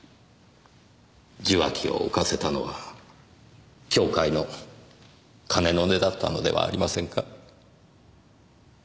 受話器を置かせたのは教会の鐘の音だったのではありませんか？